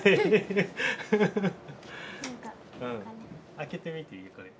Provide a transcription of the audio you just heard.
開けてみていいよこれ。